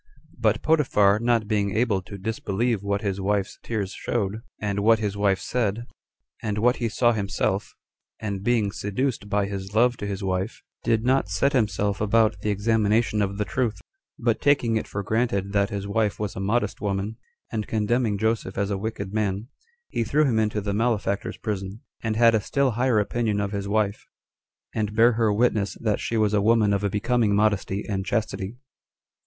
But Potiphar not being able to disbelieve what his wife's tears showed, and what his wife said, and what he saw himself, and being seduced by his love to his wife, did not set himself about the examination of the truth; but taking it for granted that his wife was a modest woman, and condemning Joseph as a wicked man, he threw him into the malefactors' prison; and had a still higher opinion of his wife, and bare her witness that she was a woman of a becoming modesty and chastity.